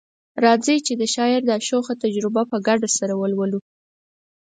راځئ چي د شاعر دا شوخه تجربه په ګډه سره ولولو